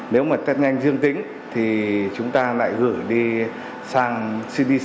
nếu mà test nhanh dương tính thì chúng ta lại gửi đi sang sinh học